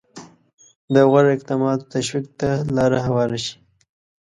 د غوره اقداماتو تشویق ته لاره هواره شي.